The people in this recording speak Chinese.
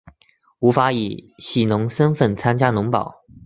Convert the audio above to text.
无法以佃农身分参加农保